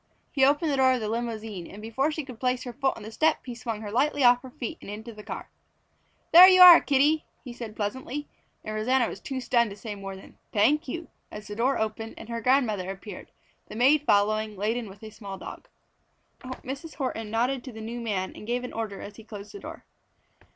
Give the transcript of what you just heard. He opened the door of the limousine and before she could place her foot on the step, he swung her lightly off her feet and into the car. "There you are, kiddie!" he said pleasantly, and Rosanna was too stunned to say more than "Thank you!" as the door opened and her grandmother appeared, the maid following, laden with the small dog. Mrs. Horton nodded to the new man and gave an order as he closed the door.